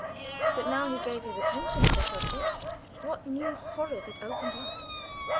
But now he gave his attention to the subject, what new horrors it opened up!